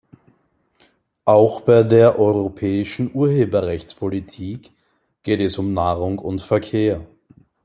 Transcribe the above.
Auch bei der europäischen Urheberrechtspolitik geht es um Nahrung und Verkehr.